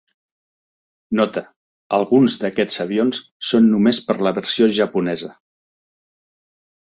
Note: alguns d'aquests avions són només per la versió japonesa.